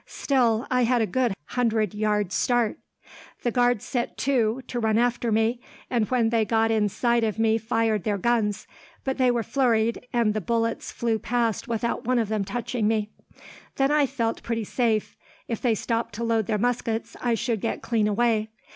Still, I had a good hundred yards' start. "The guards set to, to run after me, and when they got in sight of me fired their guns; but they were flurried, and the bullets flew past without one of them touching me. Then I felt pretty safe. If they stopped to load their muskets, I should get clean away.